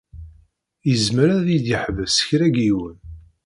Izmer ad yi-d-iḥbes kra n yiwen.